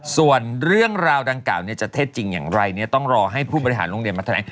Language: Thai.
ส่วนเรื่องราวดังกล่าวจะเท็จจริงอย่างไรเนี่ยต้องรอให้ผู้บริหารโรงเรียนมาแถลง